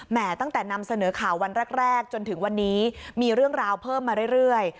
ตั้งแต่นำเสนอข่าววันแรกจนถึงวันนี้มีเรื่องราวเพิ่มมาเรื่อย